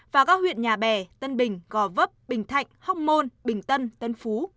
và các huyện nhà bè tân bình gò vấp bình thạnh hóc môn bình tân tân phú